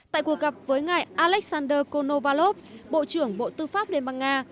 tại cuộc gặp với ngài alexander konovalov bộ trưởng bộ tư pháp liên bang nga